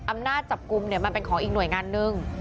อำนาจจับกลุ่มเนี่ยมันเป็นของอีกหน่วยงานหนึ่ง